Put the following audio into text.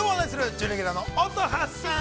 準レギュラーの乙葉さん。